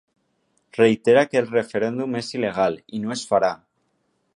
Reitera que el referèndum és il·legal i no es farà.